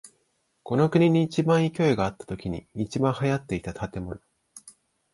この国に一番勢いがあったときに一番流行っていた建物。